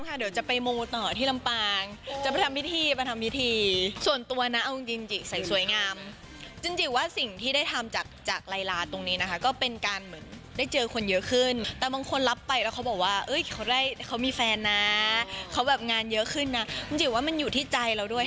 เขามีแบบงานเยอะขึ้นน่ะจัญจิจะว่ามันอยู่ที่ใจเราด้วย